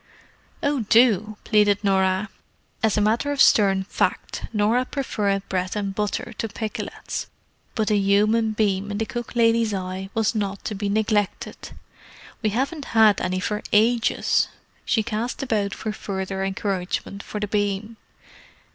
"Oh, do!" pleaded Norah. As a matter of stern fact, Norah preferred bread and butter to pikelets, but the human beam in the cook lady's eye was not to be neglected. "We haven't had any for ages." She cast about for further encouragement for the beam.